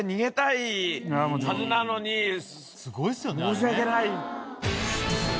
申し訳ない。